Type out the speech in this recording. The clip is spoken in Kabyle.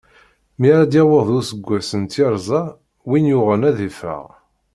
Mi ara d-yaweḍ useggas n tyerza, win yuɣen ad iffeɣ.